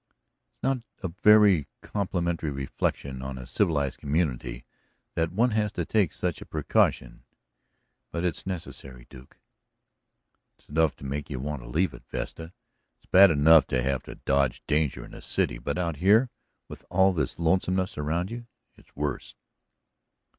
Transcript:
"It's not a very complimentary reflection on a civilized community that one has to take such a precaution, but it's necessary, Duke." "It's enough to make you want to leave it, Vesta. It's bad enough to have to dodge danger in a city, but out here, with all this lonesomeness around you, it's worse."